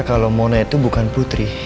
kalau mona itu bukan putri